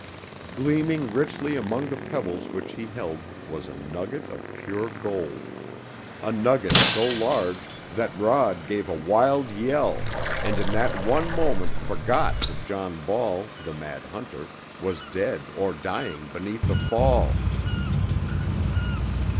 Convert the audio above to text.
Gleaming richly among the pebbles which he held was a nugget of pure gold, a nugget so large that Rod gave a wild yell, and in that one moment forgot that John Ball, the mad hunter, was dead or dying beneath the fall!